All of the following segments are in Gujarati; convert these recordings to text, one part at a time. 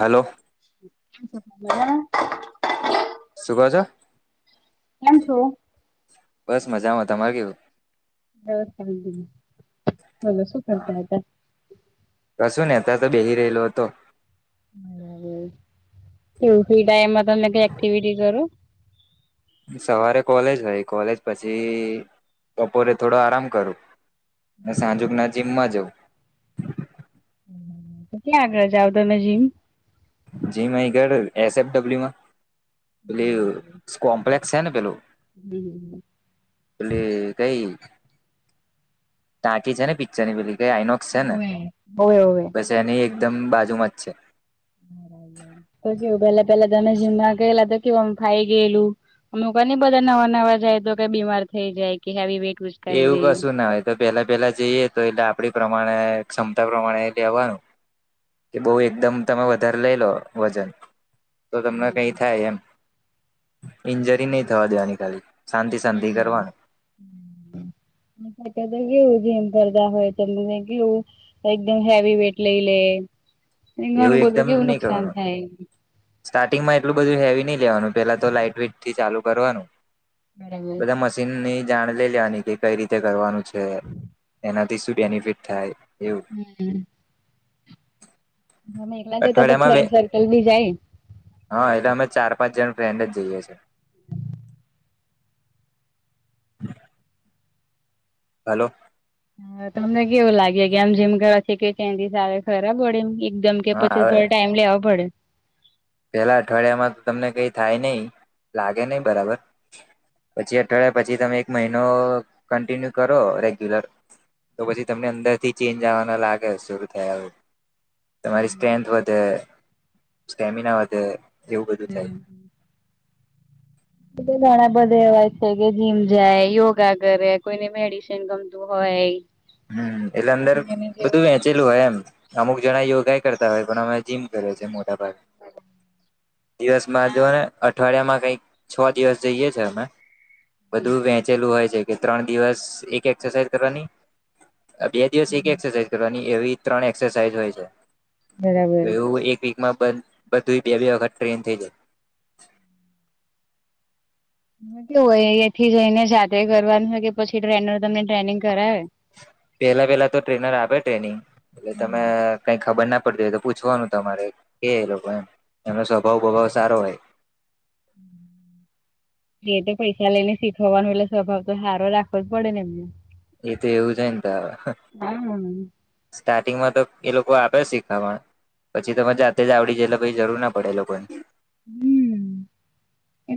હેલો કેમ છે મજામાં? શું કહો છો કેમ છો? બસ મજામાં તમારે કેવું? બસ કાય બી ની બોલો શું કરતા હતા? કસું નેહી તા તો બેહી રહેલો હતો. બરાબર કેઉં ફ્રી ટાઈમમાં તમને કઈ એક્ટિવિટી કરો? સવારે કોલેજ હોય કોલેજ પછી બપોરે થોડો આરામ કરું. સાંજુક બરાબર. ના જીમમાં જઉ. કેટલા આગળ જાઓ તમે જીમ? જીમ અહીં ઘરે એસ એફ ડબ્લ્યુમાં પેલી કોમ્પ્લેક્સ છે ને પેલું હમ્મ. પેલી કઈ ટાંકી છે ને પીચ્ચરની પેલી કઈ આઈનો હોવે હોવે હોવે તો એની એકદમ બાજુમાં જ છે [inaudible] તો કેવું પહેલા પહેલા તમે જીમ ના ગયેલા તો કેવું આમ ફાઈ ગયેલું અમુક વારની ની બધા નવા નવા જાય તો કે બીમાર થઈ જાય કે હેવી વે એવું કશું ના હોય તો પેલા પેલા જઈએ તો એટલે આપડી પ્રમાણે ક્ષમતા પ્રમાણે લેવાનું કે બહુ એકદમ તમે વધારે લઈ લો વજન તો તમને કઈ થાય એમ ઈન્જરી નહી થવા દેવાની ખાલી શાંતિ શાંતિ કરવાનું અત્યારે તો કેવું જીમ ભરતા હોય તેમને તો કેવું તો એકદમ હેવી વેટ લઈ લે અને એવું ઘણું બધું એકદમ કેવું નહી નુકસાન કરવાનું થાય સ્ટાર્ટિંગમાં એટલું બધું હેવી નહીઈ લેવાનું પેલા તો લાઈટ વેઇટથી ચાલુ કરવાનું બરાબર બધા મશીનની જાણ લઈ લેવાની કે કઈ રીતે કરવાનું છે એના તી શું બેનિફિટ થાય એવું હમ્મ તમે એકલા જતા છો કે અઠવાડિયામાં બે ફ્રેન્ડ સર્કલ બી જાય હા એટલે અમે ચાર પાંચ જણ ફ્રેન્ડ જ જઈએ છીએ હલો હા તમને કેવું લાગે કે આમ જીમ કરવા થી કંઈક ચેન્જિસ આવે ખરા બોડીમ એ એકદમ કે હા પછી હવે થોડો ટાઈમ લેવા પડે પેલા અઠવાડિયામાં તો તમને કઈ થાય નહિ લાગે નહિ બરાબર પછી અઠવાડિયા પછી તમે એક મહિનો કન્ટિન્યુ કરો રેગ્યુલર તો પછી તમને અંદર થી ચેન્જ આવવાના લાગે શરૂ થયા હોય તમારી સ્ટ્રેન્થ વધે સ્ટેમિના વધે એવું બધું થાય પછી ઘણા બધા એવાય છે કે જીમ જાય યોગા કરે કોઈને મેડિસન ગમ તું હોય હમ્મ એટલે અંદર એને બધું જેવું વેંચેલું હોય એમ અમુક જણા યોગા ઈ કરતા હોય પણ અમે જીમ કરે છે મોટા ભાગે દિવસમાં જો હા ને અઠવાડિયા માં કઈક છ દિવસ જઈએ છે અમે બધું વેંચેલું હોય છે. કે ત્રણ દિવસ એક એક્સરસાઇઝ કરવાની બે દિવસ એક એક્સરસાઇઝ કરવાની એવી ત્રણ એક્સરસાઇઝ હોય છે બરાબર તો એવું એક વીક મા બધ બધુંય બે-બે વખત ટ્રેઈન થઈ જાય. તેમાં કેવું હોય અહીંયાથી જઈને જાત કરવાનું છે કે પછી ટ્રેનર તમને ટ્રેનિંગ કરાવે. પેહલા પેલા તો ટ્રેનર આપે ટ્રેનિંગ એટલે તમે હમ કઈ ખબર ના પડતી હોય તો તમારે કે એ લોકો એમ એમનો સ્વભાવ-બભાવ સારો હોય એ તે પૈસા લઈને શીખવાનો એટલે સ્વભાવ તો હારો રાખવો જ પડે ને એમને. એ તો એવુંજ હોયને તાર. હા. સ્ટાર્ટિંગમાં એ લોકો આપે શીખામણ. પછી તમેં જાતે જ આવડી જ એટલે પછી જરૂર ના પડે લોકોની. હમ.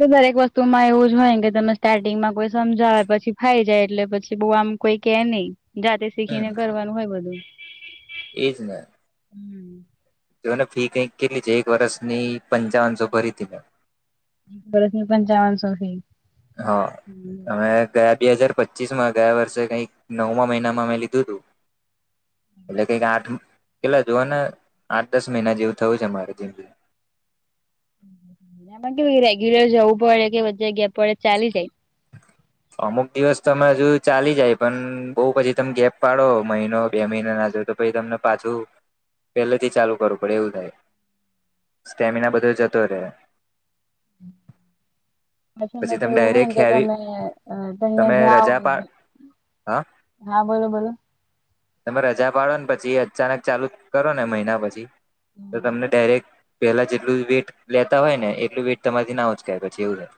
તો દરેક વસ્તુમાં એવું જ હોય ને કે તમે સ્ટાર્ટિંગમાં કોઈ સમજાવે પછી ફાઈ જાય એટલે પછી બઉ આમ કોઈ કે નહી જાતે હમ શીખીને કરવાનું હોય બધું. એજ ને. હમ્મ. જો ઓને ફી કઈક કેટલી છે એક વર્ષ ની પંચાવનસો ભરી તી મેં. વર્ષ ની પંચાવનસો ફી. હા અને ગયા બે હજાર પચીસમાં ગયા વર્ષે કંઈક નવમા મહિનામાં મેં લીધું તું. એટલે કઈક આઠ કેટલા જોઓ ને આઠ દસ મહિના જેવું થવું છે મારે જિમ એમાં કેવું રેગ્યુલર જવું પડે કે વચ્ચે ગેપ પડે તો ચાલી જાય. અમુક દિવસ તો અમે હજુ ચાલી જાય પણ બઉુ પછી તમે ગેપ પાડો મહિનો બે મહિના ના જો પછી તમને પાછું પહેલેથી ચાલુ કરવું પડે એવું થાય. સ્ટેમિના બધો જતો રહે. પછી મને તો તમે એવું હોય ડાયરેક્ટ કે હેવી તમે અહ્યા ત્યાં તમે જાઓ રજા પા હા હા બોલો-બોલો. તમે રજા પાડો ને પછી એ અચાનક ચાલુ કરો ને મહિના પછી તો તમને ડાયરેક્ટ પેલા જેટલું વેટ લેતા હોય ને એટલું વેટ તમારીથી ના ઊંચકાય પછી એવું થાય.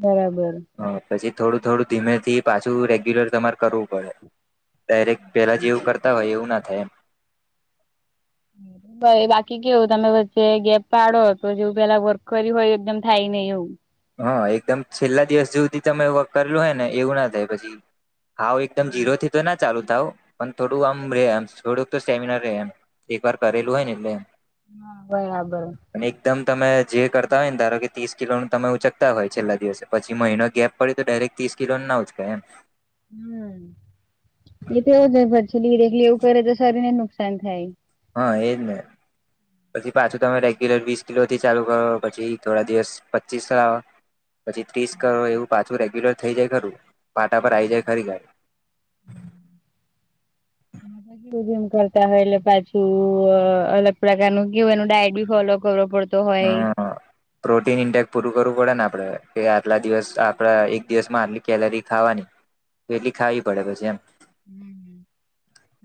બરાબર. હ પછી થોડું-થોડું ધીમેથી પાછું રેગ્યુલર તમારે કરવું પડે ડાઇર પહેલાં જેવું કરતા હોય એવું ના થાય એમ. [inaudible] બાકી કેવું તમે વચ્ચે ગેપ પડો તો જેવું પેલા વર્ક કર્યું હોય એકદમ થાય નહી એવું. હા એકદમ છેલ્લા દિવસ જ્યાં સુધી તમે વર્ક કરેલું હોય ને એવું ના થાય પછી હાવ એકદમ ઝીરોથી તો ના ચાલુ થાવ પણ થોડું આમ રેય થોડુંક તો સ્ટેમિના રે એમ. એકવાર કરેલું હોય ને એટલે હ બરાબર. અને એકદમ તમે જે કરતા હોય ને ધારો કે ત્રીસ કિલો તમે ઉચકતા હોય છેલ્લા દિવસે પછી મહિનો ગેપ પડ્યો તો ડાયરેક્ટ ત્રીસ કિલો ના ઉચકાય એમ. હા એ તો એવુજ પછી એવું તો શરીર ને નુકસાન થાય. હા એજ ને પછી પાછું તમે રેગ્યુલર વીસ કિલો થી ચાલુ કરો પછી થોડા દિવસ પચીસ પછી ત્રીસ કરો એવું પાછું રેગ્યુલર થઈ જાય ખરું પાટા પર આવી જાય ખરી ગાડી. હમ્મ. [unintelligible] જીમ કરતા હોય એટલે પાછું અલગ પ્રકારનું કેવુ ડાયટ બી ફોલો કરવો પડ તો હોય હા પ્રોટીન ઇન્ટેક પૂરું કરવું પડે ને આપડે કે આટલા દિવસ આપણા એક દિવસમાં આટલી કેલરી ખાવાની એટલી ખાવી પડે પછી એમ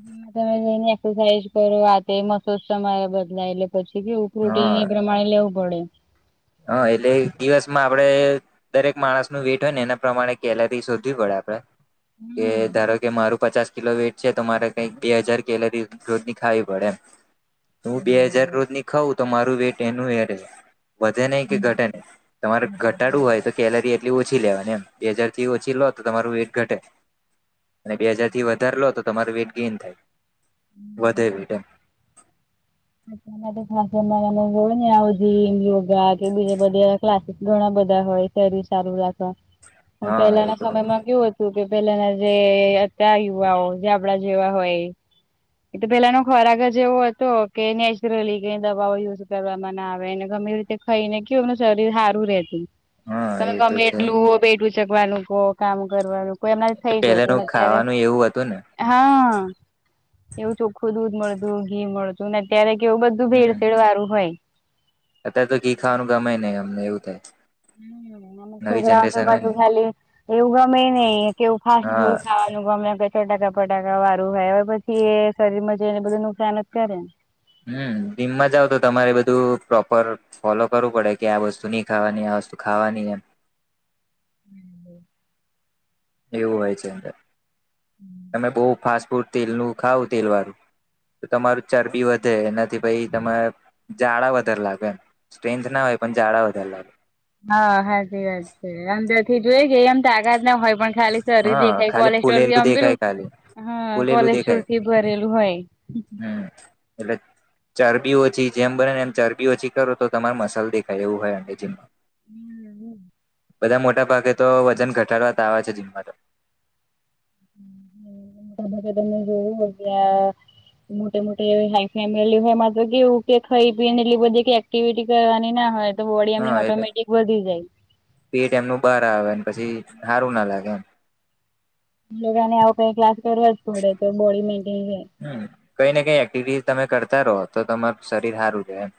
જિમ માં તમે જઈને એક્સરસાઇઝ કરો આ તે મસ્લશ તમારા બદલાય એટલે પછી કેવુ હા પ્રોટીન એ પ્રમાણે લેવું પડે હા એટલે એક દિવસમાં આપડે દરેક માણસનું વેટ હોય ને એના પ્રમાણે કેલરી શોધવી પડે આપણે કે હમ ધારો કે મારું પચાસ કિલો વેઇટ છે તો મારે કંઈક બે હજાર કેલરી રોજની ખાવી પડે એમ હું બે હજાર બરાબર. રોજની ખઉું તો મારું વેટ એનું એ રેય વધે નહીં કે ઘટે નહી તમારે ઘટાડવું હોય તો કેલરી એટલી ઓછી લેવાની એમ બે હજાર થી ઓછી લો તો તમારું વેટ ઘટે અને બે હજાર થી વધારે લો તો તમારુ વેટ ગેઈન થાય વધે વેટ એમ અત્યના તો ખાસે હોય ને આવ જીમ યોગા કે બીજા બધા ક્લાસીસ ઘણા બધા હોય અત્યારે સારું રાગ હ હા એ પહેલાના તો સમયમાં કેવું હતું હતુ કે પેલાના જે અત્યાર યુવાઓ જે આપડા જેવા હોય એ તો પેલાનો ખોરા આગ જ એવો હતો. કે નેચરલી કઈ દવાઓ યુઝ કરવામાં ના આવે અને ગમે રીતે ખાઈને કેું એમનું શરીર સારું રહેતું હા તમે એ તો ગમે છે એટલું વેટ ઉચકવાનું કોહ કામ કરવાનું કોઈ અમના થઇ પેલાનું જતુંને અત્યારે ખાવાનું એવું હતું ને હા એવું ચોખ્ખું દૂધ મળતું ઘી મળ તું ને અત્યારે કેવું બધું હમ ભેડસેેળ વાળું હોય. અત્યારે તો ઘી ખાવાનું ગમે નઈ અમને એવું થાય હમ અને નવી છોકરાઓ તો જનરેશન હોય ને પાછું ખાલી એવું ગમે નઈ કેઉં ફાસ્ટ હા ફૂડ ખાવાનું ગમે ચટાકા ફટાકા વારું આવ્યા પછી એ શરીરમાં જઈને બધું નુકસાન જ કરે ને હમ્મ જીમમાં જાવ તો તમારે બધું પ્રોપર ફોલો કરવું પડે કે આ વસ્તુ નહી ખાવાની આ વસ્તુ ખાવાની એમ હમ એવું હોય છે અંદર તમે બહ ફાસ્ટ ફૂડ તેલનું ખાવ તેલ વાળું તો તમારું ચરબી વધે એનાથી પાઈ તરે જાડા વધારે લાગે. સ્ટ્રેન્થ ના હોય પણ જાડા વધાર લાગે હા હાચી વાત છે આમ તેથી જોઈ કે એમ તાકાત ના હોય પણ ખાલી શરીર હા દેખાય ખાલી કોલેસ્ટોલ ભી ફૂલેલું આમ દેખાય પેલું ખાલી હા ફૂલેલું કોલેસ્ટોલ થી ભરેલું હોય હમ્મ એટલે ચરબી ઓછી જેમ બનેને એમ ચરબી ઓછી કરો તો તમાર મસાલ દેખાય એવું હોય આ જીમમાં હમ્મ બધા મોટા ભાગે તો વજન ઘટાડવા તો આવે છે જિમમાં તો [inaudible] [unintelligible] તમને જોવું હોગ્યા મોટે મોટે હાઈ ફેમિલી હોય માત્ર કેઉ કે ખાઈ પીને એટલી બધી કઈ એક્ટિવિટી કરવાની ના હોય તો બોડી હા એમની એટલે ઓટોમેટિક વધી જાય પેટ એમનું બહાર આવેને પછી સારું ના લાગે એમ. લોકો એને આવ કઈ ક્લાસ કરવા જ પડે તો બોડી મેન્ટેન રે. હમ કઈ ને કઈ એક્ટિવિટી તમે કરતા રહો તો તમારું શરીર સારું એમ.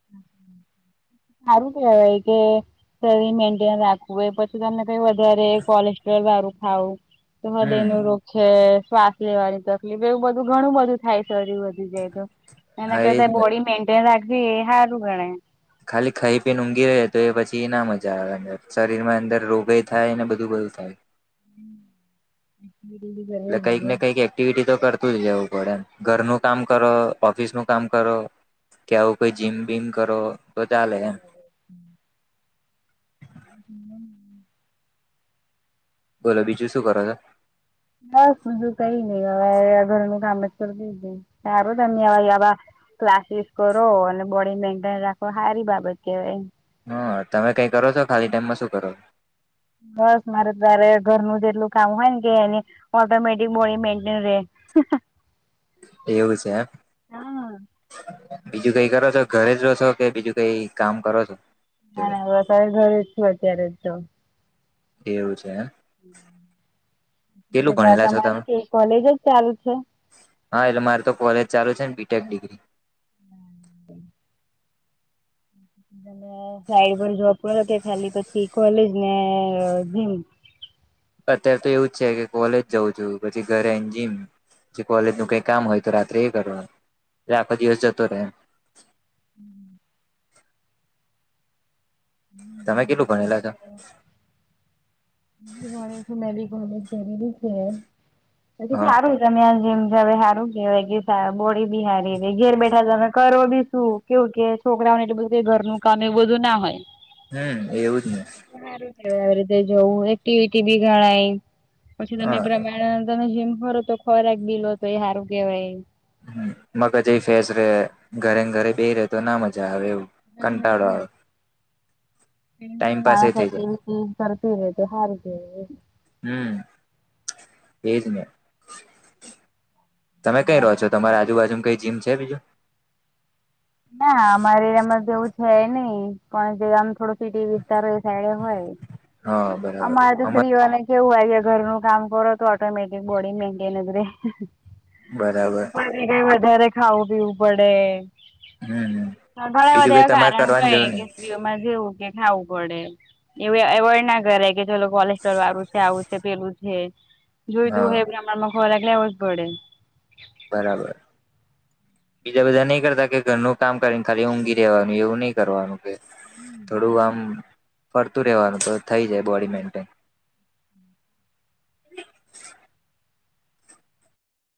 [inaudible] સારું કેવાય કે. શરીર મેન્ટેન રાખવું હોય પછી તમને કઈ વધારે કોલેસ્ટ્રોલ વારું ખાવું. તો હૃદય હમ નુ રોગ છે શ્વાસ લેવાની તકલીફ એવું બધું ઘણું બધું થાય છે શરીર વધી જાય તો. એના હા એજ કરતા ને બોડી મેન્ટેન રાખવી એ સારું ગણાય. ખાલી ખાઈ પીને ઊંઘી રહે તો એ પછી એ ના મજા આવે અ શરીર માં અંદર રોગય થાય ને બધું બધું થાય. [inaudible] [unintelligible] એટલે કઈક ને કઈક એ એક્ટિવિટી તો કરતું જ જવું પડેમ, ઘરનું કામ કરો, ઓફિસ નું કામ કરો. કે આવું કોઈ જીમ બિમ કરો તો ચાલે એમ. હ. બોલો બીજું શું કરો છો? બસ બજું કઈ નહી હવે ઘરનું કામ જ કરતી છે સારો તમે [unintelligible] વાવા, ક્લાસીસ કરો અને બોડી મેન્ટેન રાખો સારી બાબત કહેવાય. હા તમે કઈ કરો છો ખાલી ટાઈમમાં શું કરો? બસ મારે તારે ઘરનું જેટલું કામ હોય ને કે એને, ઓટોમેટિક બોડી મેઇન્ટન રે. એવું છે એમ. બીજું કઈ કરો છો ઘરે જ રહો છો કે બીજું કઈ કામ કરો છો? ના જોડે નાતરે જ છું અત્યારે જ તો- - એવું છે એમ? કેટલું [unintelligible] ભણેલા છો તમે તમારે કે કોલેજ જ ચાલુ છે. હા એટલે મારે તો કોલેજ ચાલુ છે ને બીટેક ડિગ્રી. [inaudible] ત સાઈડ પર જોવાબ પે કે ખાલી પછી કોલેજ ને જીમ. અત્યારે તો એવું જ છે કે કોલેજ જઉં છું પછી ઘરે આવી ને જીમ પછી કોલેજ નું કઈ કામ હોય તો રા- - ત્રે એ કરવાનું એટલે આખો દિવસ જતો રહેમ- - [inaudible] હમ તમે કેટલું જીમ જાવ ભણેલા છો છે? વા મે કોલેજ જરૂરી છે. હા [unintelligible] તમે્યા જીમ જવે સારું કેવાય કે બોડી બી સારી ર ઘેર બેઠા તમે કરો બી શું. કેવું કે છોકરાઓને એટલે બધું ઘરનું કામ એવું બધું ના હોય. હમ એવું જ ને. સારું કહેવાય આવી રીતે જવું એક્ટિવિટી બી ગણાય પછી તમે, હા તમે જીમ ખોરો તો ખોરાક બિલો તો એ સારું કેહેવાય. હ મગજ એ ફેસ ઘરે ઘરે બે રહે તો ના આવે એવું. કટાળો આવે. એમ ટાઈમ પાસ એ માણસ થઈ જાય એક્ટિવિટી કરતી રહે તો હારુ કેવાય. હમ એજ ને- - તમે કઈ રહો અમારે છો તો તમારી કેવું આજુબાજુ કઈ જીમ છે બીજું? ના અમારે એમાં એવું છે નઈ પણ જે ગમ થોડો સિટી વિસ્તાર એ સાઈડે હોય- હા - બરાબર અમારે તો અમા સ્રીઓ ને- - કેવું હોય કે ઘરનું કામ કરો તો ઓટોમેટિક બોડી મેન્ટેન જ રે- - બરાબર. એને વધારે ખાઉ-પીવુ પડે. હમ્મ. ઘણા બધા એવા કારણ હોય કે, સ્ત્રીઓમાં જેવું કે ખાવું પડે. એવું અ એવોઈડ ના કરાય કે, ચલો કોલેસ્ટ્રોલ વારુ સે આવું. પેલું છે. જોઈતું હા હોય એ પ્રમાનમા ખોરાક લેવો જ પડે. બરાબર. બીજા બધા નઈ કરતા કે ઘરનું કામ કરીને, ખાલી ઊંઘી રેવાનું એવું ની કરવાનું. થોડું આમ ફરતુ રેવાનુ, તો થઈ જાય બોડી મેન્ટેન.